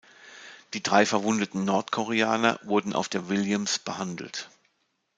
Die drei verwundeten Nordkoreaner wurden auf der "Williams" behandelt.